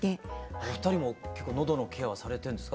お二人も結構喉のケアはされてるんですか？